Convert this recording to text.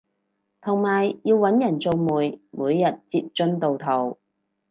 同埋要搵人做媒每日截進度圖